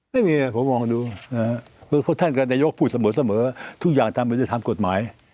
ไม่มีผมมองดูพวกท่านกับนายกพูดเสมอทุกอย่างทำมันจะทำกฎหมาย